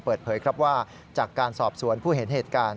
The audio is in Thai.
เปิดเผยครับว่าจากการสอบสวนผู้เห็นเหตุการณ์